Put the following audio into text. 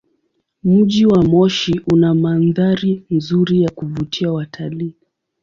Mji wa Moshi una mandhari nzuri ya kuvutia watalii.